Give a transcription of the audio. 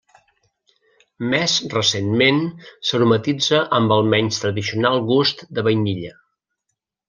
Més recentment s'aromatitza amb el menys tradicional gust de vainilla.